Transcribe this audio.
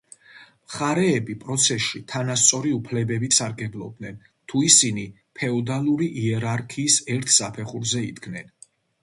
მხარეები პროცესში თანასწორი უფლებებით სარგებლობდნენ, თუ ისინი ფეოდალური იერარქიის ერთ საფეხურზე იდგნენ.